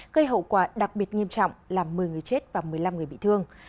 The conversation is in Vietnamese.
gây hậu quả đặc biệt nghiêm trọng làm một mươi người chết và một mươi năm người bị thương